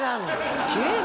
「すげえな」